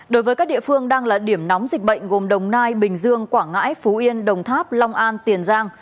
đối với các địa phương đang là điểm nóng dịch bệnh gồm đồng nai bình dương quảng ngãi phú yên đồng tháp long an tiền giang